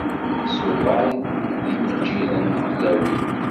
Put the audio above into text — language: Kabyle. Isuɣan d yimeǧǧiden n tlawin.